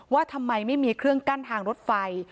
ว่าทำไมไม่มีเครื่องกั้นทางรถไฟ